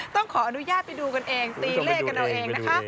ต้องขออนุญาตไปดูกันเองตีเลขกันเอาเองนะคะ